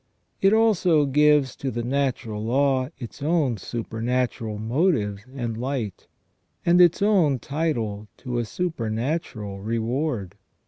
It also gives to the natural law its own supernatural motive and light, and its own title to a supernatural reward.